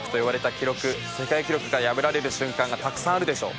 記録世界記録が破られる瞬間がたくさんあるでしょう。